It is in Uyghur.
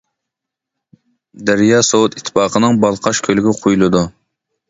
دەريا سوۋېت ئىتتىپاقىنىڭ بالقاش كۆلىگە قۇيۇلىدۇ.